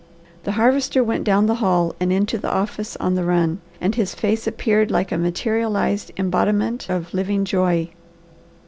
The Harvester went down the hall and into the office on the run, and his face appeared like a materialized embodiment of living joy.